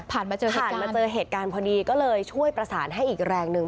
ผ่านมาเจอเหตุการณ์พอดีก็เลยช่วยประสานให้อีกแรงหนึ่ง